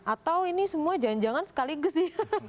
atau ini semua janjangan sekaligus ya